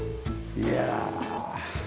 いや。